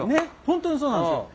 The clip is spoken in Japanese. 本当にそうなんですよ。